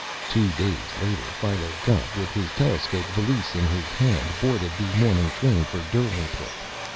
Two days later Philo Gubb, with his telescope valise in his hand, boarded the morning train for Derlingport.